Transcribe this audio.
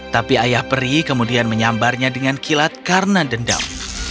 tapi ayah peri kemudian menyambarnya dengan kilat karena dendam